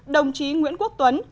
đồng chí nguyễn quốc tuấn